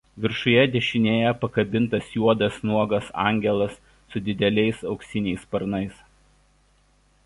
Viršuje dešinėje pakabintas juodas nuogas angelas su dideliais auksiniais sparnais.